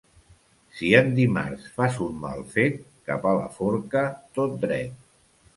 Si en dimarts fas un mal fet, cap a la forca tot dret.